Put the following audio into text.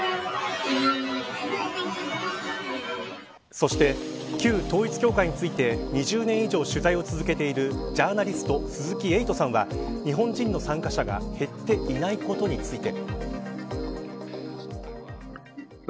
そして、旧統一教会について２０年以上取材を続けているジャーナリスト鈴木エイトさんは日本人の参加者が減っていないことについて。